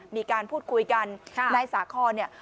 มีการพูดคุยกันนายสาคอนเนี่ย